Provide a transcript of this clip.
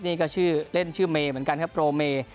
นี่ก็ชื่อเล่นชื่อเมย์เหมือนกันครับโปรเม